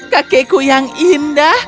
kakekku yang indah